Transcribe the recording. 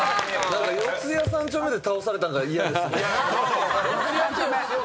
何か「四谷三丁目」で倒されたんが嫌ですね。